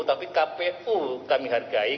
tapi kpu kami hargai